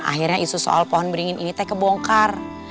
akhirnya isu soal pohon beringin ini teh kebongkar